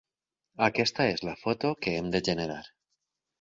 Aquesta és la foto que hem de generar.